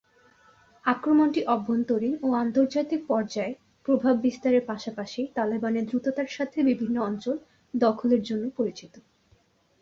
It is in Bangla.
আক্রমণটি অভ্যন্তরীণ ও আন্তর্জাতিক পর্যায়ে প্রভাব বিস্তারের পাশাপাশি তালেবানের দ্রুততার সাথে বিভিন্ন অঞ্চল দখলের জন্য পরিচিত।